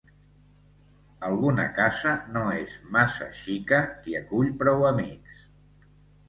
Alguna casa no és massa xica qui acull prou amics.